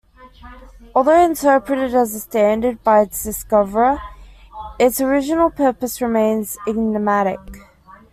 Although interpreted as a standard by its discoverer, its original purpose remains enigmatic.